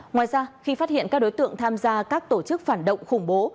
ngoài ra khi phát hiện các đối tượng tham gia các tổ chức phản động khủng bố